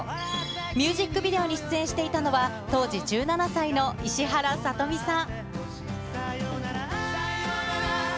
ミュージックビデオに出演していたのは、当時１７歳の石原さとみさん。